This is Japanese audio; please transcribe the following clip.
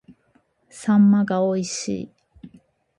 秋刀魚が美味しい